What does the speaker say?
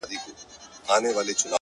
• ته پاچایې د ځنگلونو او د غرونو,